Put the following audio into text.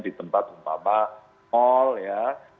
di tempat umpama mal ya